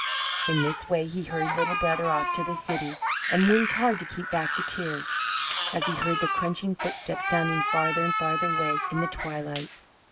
In this way he hurried Little Brother off to the city and winked hard to keep back the tears, as he heard the crunching footsteps sounding farther and farther away in the twilight.